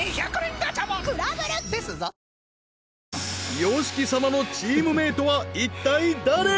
ＹＯＳＨＩＫＩ様のチームメイトはいったい誰？